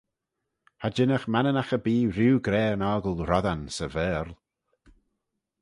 Cha jinnagh Manninagh erbee rieau gra yn 'ockle 'roddan' 'sy Vaarle.